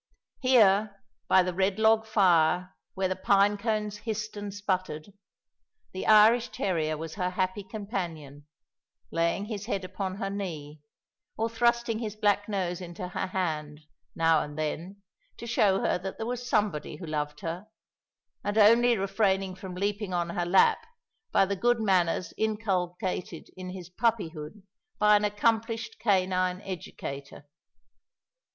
Here, by the red log fire, where the pine cones hissed and sputtered, the Irish terrier was her happy companion, laying his head upon her knee, or thrusting his black nose into her hand, now and then, to show her that there was somebody who loved her, and only refraining from leaping on her lap by the good manners inculcated in his puppyhood by an accomplished canine educator.